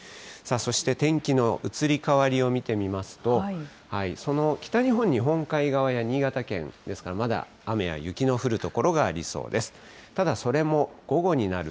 さあ、そして天気の移り変わりを見てみますと、その北日本、日本海側や新潟県、まだ雨や雪の降る所がありそうです。